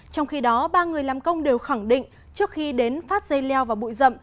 trong khi đó ba người làm công đều khẳng định trước khi đến phát dây leo và bụi rậm